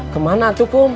kemana atuh kum